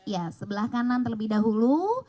ya sebelah kanan terlebih dahulu